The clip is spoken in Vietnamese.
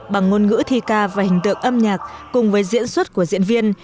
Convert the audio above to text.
bằng ngôn ngữ thi ca và hình tượng âm nhạc cùng với diễn xuất của diễn viên